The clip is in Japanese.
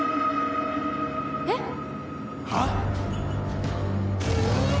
えっ？はあ！？